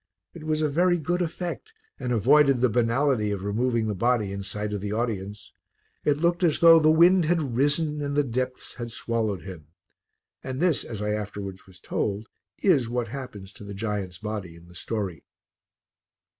It was a very good effect and avoided the banality of removing the body in sight of the audience; it looked as though the wind had risen and the depths had swallowed him. And this, as I afterwards was told, is what happens to the giant's body in the story.